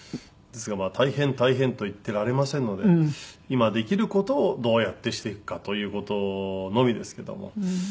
ですがまあ大変大変と言っていられませんので今できる事をどうやってしていくかという事のみですけども。